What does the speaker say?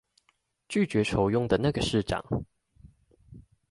拒絕酬庸的那個市長